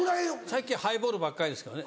最近ハイボールばっかりですけどね。